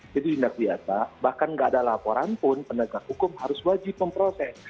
jadi tindak pidana bahkan nggak ada laporan pun penegak hukum harus wajib memproses